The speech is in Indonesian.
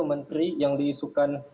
menteri yang diisukan